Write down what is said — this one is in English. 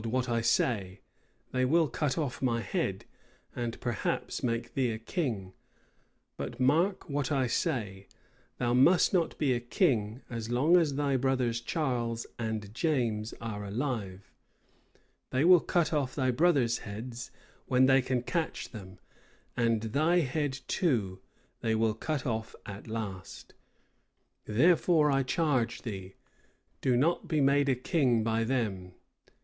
what I say: they will cut off my head! and perhaps make thee a king: but mark what I say: thou must not be a king as long as thy brothers Charles and James are alive. They will cut off thy brothers' heads, when they can catch them! And thy head, too they will cut off at last! Therefore I charge thee, do not be made a king by them!"